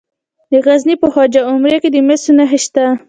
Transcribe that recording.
د غزني په خواجه عمري کې د مسو نښې شته.